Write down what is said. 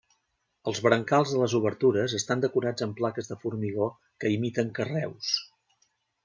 Els brancals de les obertures estan decorats amb plaques de formigó que imiten carreus.